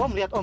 om lihat om